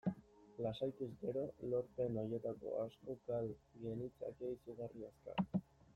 Lasaituz gero, lorpen horietako asko gal genitzake izugarri azkar.